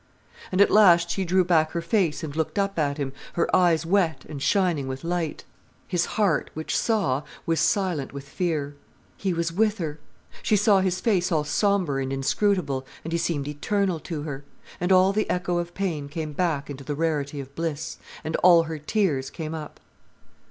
And at last she drew back her face and looked up at him, her eyes wet, and shining with light. His heart, which saw, was silent with fear. He was with her. She saw his face all sombre and inscrutable, and he seemed eternal to her. And all the echo of pain came back into the rarity of bliss, and all her tears came up.